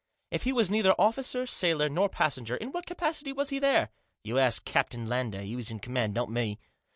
" If he was neither officer, sailor, nor passenger, in what capacity was he there ?" "You ask Captain Lander, he was in command, not me.